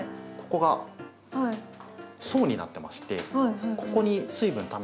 ここが層になってましてここに水分ため込んでるんですね。